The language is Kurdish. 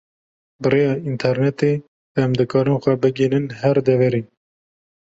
Bi rêya internêtê em dikarin xwe bigihînin her deverê.